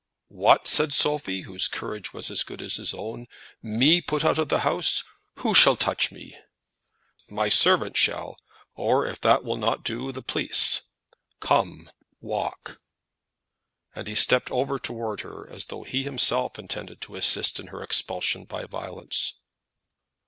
"What!" said Sophie, whose courage was as good as his own. "Me put out of the house! Who shall touch me?" "My servant shall; or if that will not do, the police. Come, walk." And he stepped over towards her as though he himself intended to assist in her expulsion by violence.